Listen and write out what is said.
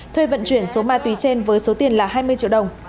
thuê vận chuyển số ma túy trên với số tiền là hai mươi triệu đồng